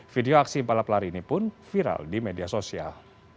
video aksi balap lari ini pun viral di media sosial